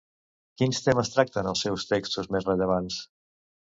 Quins temes tracten els seus textos més rellevants?